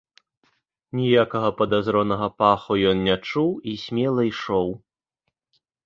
Ніякага падазронага паху ён не чуў і смела ішоў.